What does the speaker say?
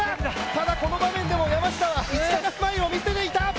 ただこの場面でも山下はスマイルを見せていた。